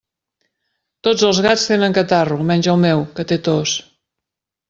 Tots els gats tenen catarro, menys el meu, que té tos.